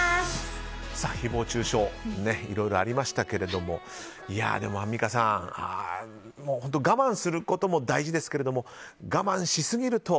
誹謗中傷いろいろありましたけれどもでも、アンミカさん我慢することも大事ですけども我慢しすぎると。